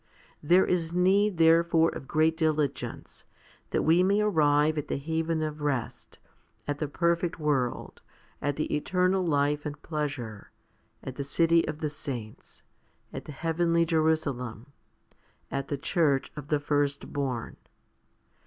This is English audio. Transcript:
There is need therefore of great diligence, that we may arrive at the haven of rest, at the perfect world, at the eternal life and pleasure, at the city of the saints, at the heavenly Jerusalem, at the church of the firstborn?